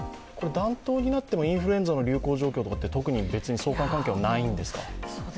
暖冬になってもインフルエンザの流行状況って相関関係はないですか？